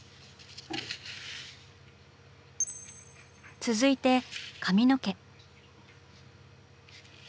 続いて髪の毛。